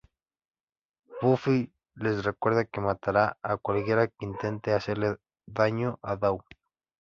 Buffy les recuerda que matará a cualquiera que intente hacerle daño a Dawn.